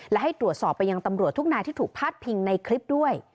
และให้ตรวจสอบไปยังตำรวจทุกนายที่ถูกพาดพิงในคลิปด้วย